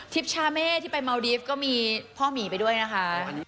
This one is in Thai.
ชาเม่ที่ไปเมาดีฟก็มีพ่อหมีไปด้วยนะคะ